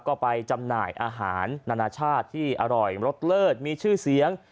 ก็ไปจำหน่ายอาหารนานาชาติที่อร่อยรสเลิศมีชื่อเสียง